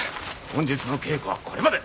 本日の稽古はこれまで。